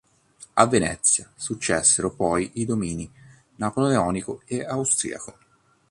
A Venezia successero poi i domini Napoleonico e Austriaco.